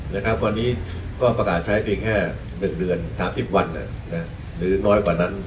แล้วกันความนี้ก็ประกาศใช้เป็นแค่หนึ่งเดือนสามสิบวันหนูน้อยกว่านั้น